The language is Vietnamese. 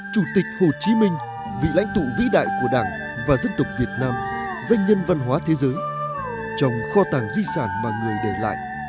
chủ tịch hồ chí minh vị lãnh tụ vĩ đại của đảng và dân tộc việt nam danh nhân văn hóa thế giới trong kho tàng di sản mà người để lại